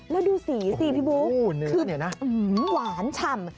แล้วดูสิฟิบุ๊คคือหวานฉ่ำ